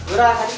udah ah aja tuh